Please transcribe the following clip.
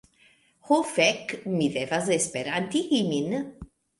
Ho fek, mi devas Esperantigi min.